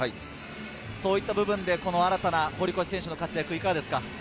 そういった部分で新たな堀越選手の活躍、いかがですか？